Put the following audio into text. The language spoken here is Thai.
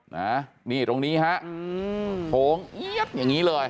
นี่ตรงนี้ฮะโถงอย่างนี้เลย